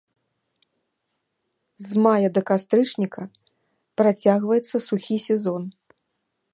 З мая да кастрычніка працягваецца сухі сезон.